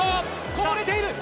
こぼれている！